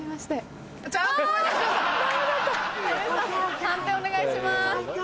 判定お願いします。